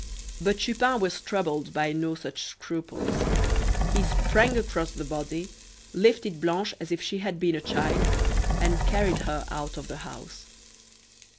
But Chupin was troubled by no such scruples. He sprang across the body, lifted Blanche as if she had been a child and carried her out of the house.